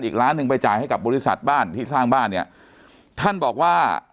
อีกล้านหนึ่งไปจ่ายให้กับบริษัทบ้านที่สร้างบ้านเนี่ยท่านบอกว่า